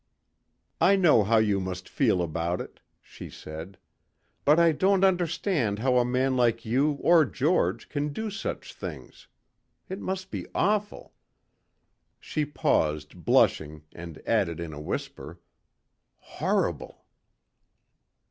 "I know how you must feel about it," she said. "But I don't understand how a man like you or George can do such things. It must be awful." She paused, blushing and added in a whisper, "Horrible!"